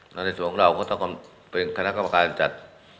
แล้วในส่วนของเราก็ต้องเป็นคณะกรรมการจัด